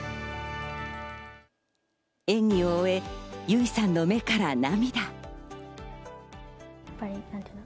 演技を終え、由依さんの目から涙。